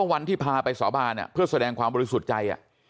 วันที่พาไปสาบานเพื่อแสดงความบริสุทธิ์ใจ